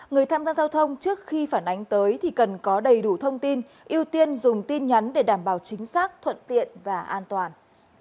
ngoài ra ủy ban an toàn giao thông quốc gia đề nghị các địa phương công bố số đường dây nóng